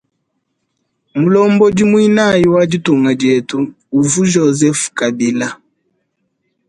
Mulombodi muinayi wa ditunga dietu uvu joseph kabila.